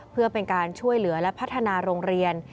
เพื่อเป็นการช่วยเหลือและพัฒนาโรงเรียน